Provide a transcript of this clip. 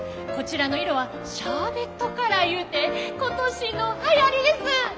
こちらの色はシャーベットカラーいうて今年のはやりです！